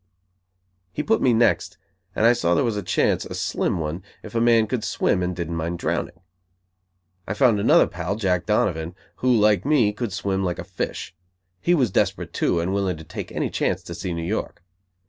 He put me "next", and I saw there was a chance, a slim one, if a man could swim and didn't mind drowning. I found another pal, Jack Donovan, who, like me, could swim like a fish; he was desperate too, and willing to take any chance to see New York.